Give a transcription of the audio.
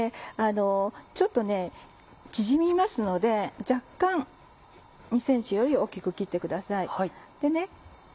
ちょっと縮みますので若干２ｃｍより大きく切ってください。